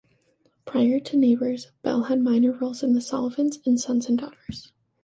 Prior to "Neighbours", Bell had minor roles in "The Sullivans" and "Sons and Daughters".